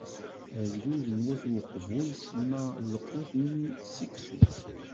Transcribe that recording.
Agdud n Wat Uqbu isemma i lqut-nni seksu.